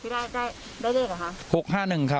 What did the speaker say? ได้เลขเหรอคะ